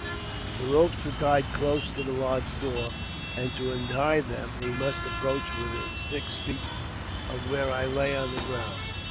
The ropes were tied close to the lodge door, and to untie them he must approach within six feet of where I lay on the ground.